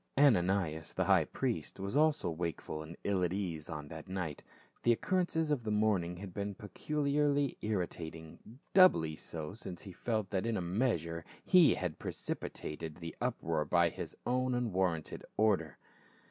Ananias, the high priest, was also wakeful and ill at ease on that night ; the occurrences of the morning had been peculiarly irritating, doubly so since he felt that in a measure he had precipitated the uproar by his own unwarranted order.